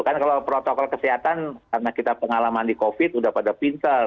karena kalau protokol kesehatan karena kita pengalaman di covid sudah pada pintar